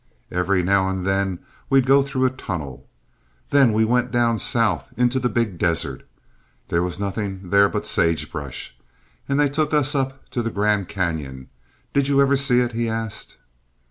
Every now and then we'd go through a tunnel. Then we went down south into the big desert. There was nothing there but sagebrush. And they took us up to the Grand Canyon. Did you ever see it?" he asked.